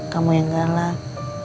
kamu yang galak